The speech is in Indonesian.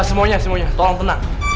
semuanya semuanya tolong tenang